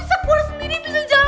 enggak gak ada om